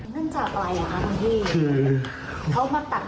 นึกจากอะไรล่ะครับท่านพี่